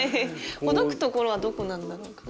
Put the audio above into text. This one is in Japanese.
ほどくところはどこなんだろうか？